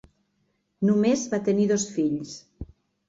Només va tenir dos fills.